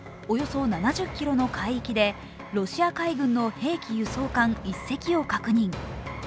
およそ７０ｋｍの海域でロシア海軍の兵器輸送艦１隻を確認